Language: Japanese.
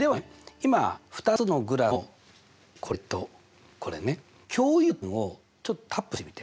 今２つのグラフのこれとこれね共有点をちょっとタップしてみて。